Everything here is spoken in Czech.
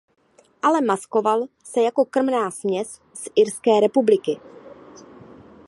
Ale maskoval se jako krmná směs z Irské republiky.